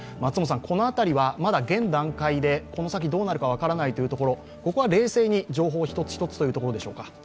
この辺りはまだ現段階で、この先どうなるか分からないというところここは冷静に情報を一つ一つというところでしょうか。